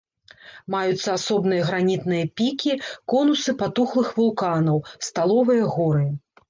Маюцца асобныя гранітныя пікі, конусы патухлых вулканаў, сталовыя горы.